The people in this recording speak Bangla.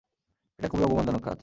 এটা খুবই অপমানজনক কাজ।